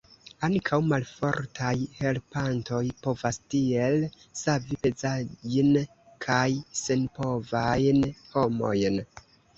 Ankaŭ malfortaj helpantoj povas tiel savi pezajn kaj senpovajn homojn.